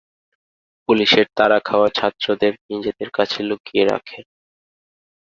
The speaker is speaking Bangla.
পুলিশের তাড়া খাওয়া ছাত্রদের নিজেদের কাছে লুকিয়ে রাখে।